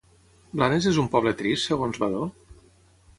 Blanes és un poble trist, segons Vadò?